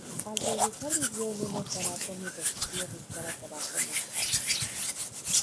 Al regresar vivió en un orfanato mientras su tío buscaba trabajo en Manhattan.